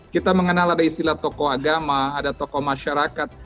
kita mengenal ada istilah tokoh agama ada tokoh masyarakat